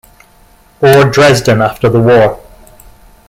Or Dresden after the war.